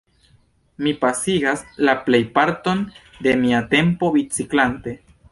Mi pasigas la plejparton de mia tempo biciklante.